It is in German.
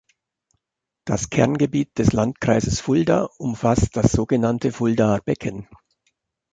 Das Kerngebiet des Landkreises Fulda umfasst das sogenannte "Fuldaer Becken".